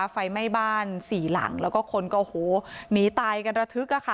ไฟไหม้บ้านสี่หลังแล้วก็คนก็โอ้โหหนีตายกันระทึก